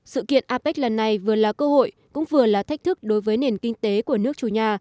sự kiện apec lần này vừa là cơ hội cũng vừa là thách thức đối với nền kinh tế của nước chủ nhà